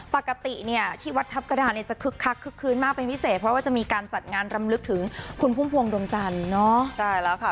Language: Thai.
ปกติที่วัดทัพกระดานคึกคลึ้นมากเป็นพิเศษเพราะว่ามีการจดงานรำลึกถึงคุณภูมิภวงดมจันทร์เนอะ